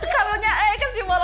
kalunya eike sih ma